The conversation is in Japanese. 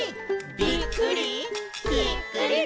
「ぴっくり！